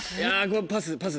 パス！